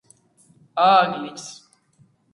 ააგლეჯს